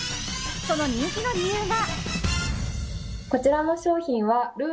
その人気の理由が。